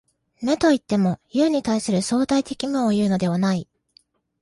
無といっても、有に対する相対的無をいうのではない。